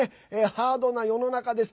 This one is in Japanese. ハードな世の中です。